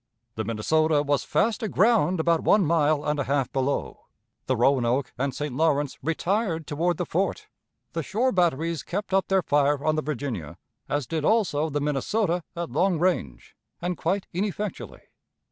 The Minnesota was fast aground about one mile and a half below. The Roanoke and St. Lawrence retired toward the fort. The shore batteries kept up their fire on the Virginia, as did also the Minnesota at long range, and quite ineffectually.